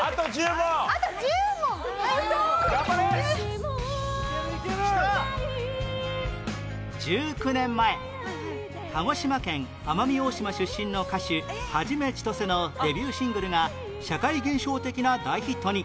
「星もない」１９年前鹿児島県奄美大島出身の歌手元ちとせのデビューシングルが社会現象的な大ヒットに